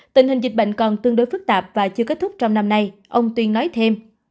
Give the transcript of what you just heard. tình hình dịch bệnh còn tương đối phức tạp và chưa kết thúc trong năm nay ông tuyên nói thêm